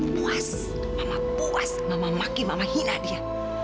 puas mama puas mama maki mama hina dia